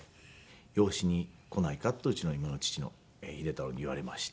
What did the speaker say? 「養子に来ないか」とうちの今の父の秀太郎に言われまして。